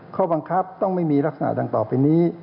ข้อบังคับต้องไม่มีลักษณะดังต่อไปนี้